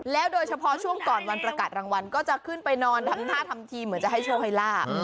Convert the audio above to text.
โดยเฉพาะช่วงก่อนวันประกาศรางวัลก็จะขึ้นไปนอนทำท่าทำทีเหมือนจะให้โชคให้ลาบ